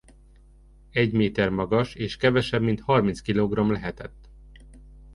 Egy méter magas és kevesebb mint harminc kilogramm lehetett.